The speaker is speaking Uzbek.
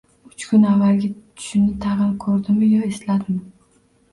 Uch kun avvalgi tushini tag‘in ko‘rdimi yo es-ladimi?